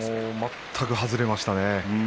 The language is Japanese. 全く外れましたね。